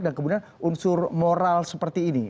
dan kemudian unsur moral seperti ini